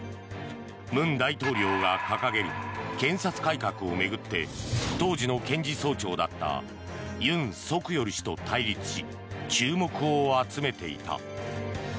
文大統領が掲げる検察改革を巡って当時の検事総長だったユン・ソクヨル氏と対立し注目を集めていた。